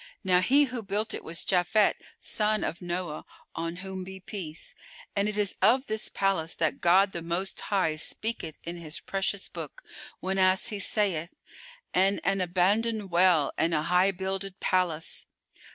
Now he who built it was Japhet son of Noah (on whom be peace!) and it is of this palace that God the Most High speaketh in His precious Book, whenas He saith, "And an abandoned well and a high builded palace."